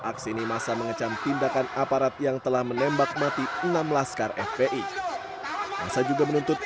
aksi ini massa mengecam tindakan aparat yang telah menembak mati enam belas kar fpi massa juga menuntut